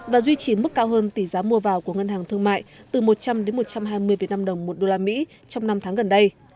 và duy trì mức cao hơn tỷ giá mua vào của ngân hàng thương mại từ một trăm linh một trăm hai mươi việt nam đồng một đô la mỹ trong năm tháng gần đây